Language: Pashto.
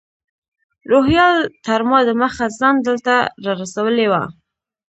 روهیال تر ما دمخه ځان دلته رارسولی و.